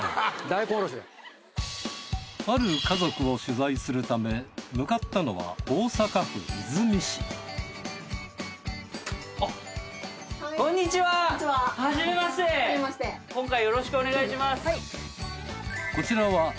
ある家族を取材するため向かったのはこんにちは。